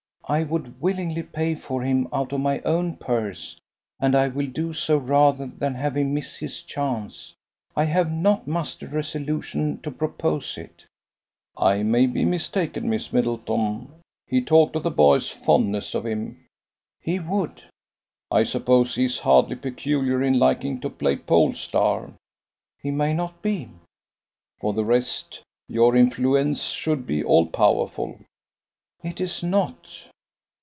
"I would willingly pay for him out of my own purse, and I will do so rather than have him miss his chance. I have not mustered resolution to propose it." "I may be mistaken, Miss Middleton. He talked of the boy's fondness of him." "He would." "I suppose he is hardly peculiar in liking to play Pole star." "He may not be." "For the rest, your influence should be all powerful." "It is not."